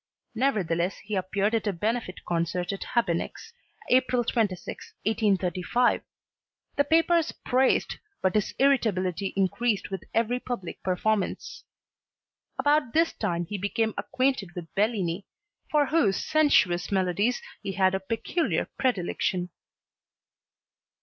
Nevertheless he appeared at a benefit concert at Habeneck's, April 26, 1835. The papers praised, but his irritability increased with every public performance. About this time he became acquainted with Bellini, for whose sensuous melodies he had a peculiar predilection.